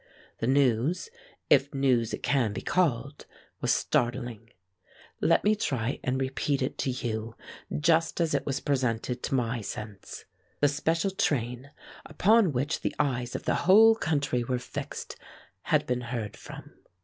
The news, if news it can be called, was startling. Let me try and repeat it to you just as it was presented to my sense. The special train, upon which the eyes of the whole country were fixed, had been heard from.